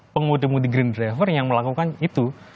pengemudi green driver yang melakukan itu